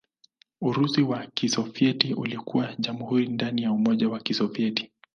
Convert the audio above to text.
Urusi wa Kisovyeti ulikuwa jamhuri ndani ya Umoja wa Kisovyeti.